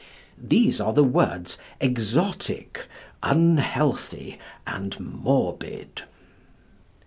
These are the words "exotic," "unhealthy," and "morbid."